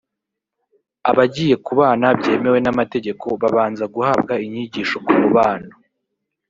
abagiye kubana byemewe n’amategeko babanza guhabwa inyigisho ku mubano